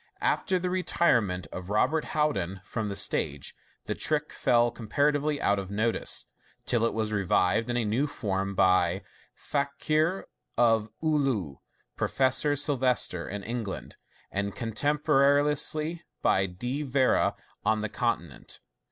After the retirement of Robert Houdin from the stage, the trick fell com paratively out of notice, till it was revived in a new form by the Fakir of Oolu (Professor Sylvester) in England, and contemporane ously by De Vere on the Continent.